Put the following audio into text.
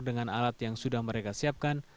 dengan alat yang sudah mereka siapkan